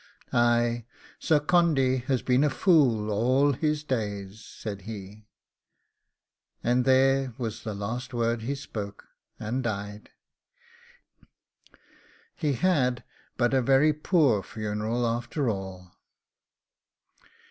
Ay, Sir Condy has been a fool all his days,' said he; and there was the last word he spoke, and died. He had but a very poor funeral after all.